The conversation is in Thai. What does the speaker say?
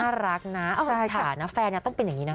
น่ารักนะฐานะแฟนต้องเป็นอย่างนี้นะ